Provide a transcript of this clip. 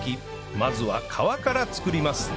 まずは皮から作ります